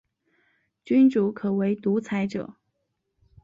君主可为独裁者。